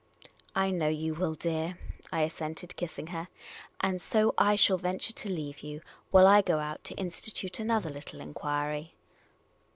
" I know you will, dear," I assented, kissing her, '* and so I shall venture to leave you, while I go out to institute another little enquiry."